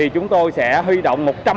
chúng tôi sẽ huy động một trăm linh